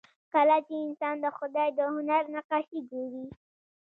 کله چې انسان د خدای د هنر نقاشي ګوري